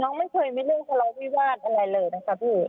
น้องไม่เคยมีเรื่องขอร้องวิวาลอะไรเลยนะครับพี่